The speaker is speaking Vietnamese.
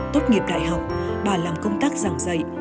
tốt nghiệp đại học bà làm công tác giảng dạy